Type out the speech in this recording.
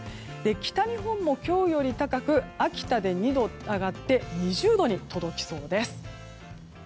北日本も今日より高く秋田で２度上がって２０度に届きそうです。